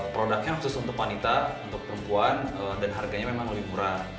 produknya khusus untuk wanita untuk perempuan dan harganya memang lebih murah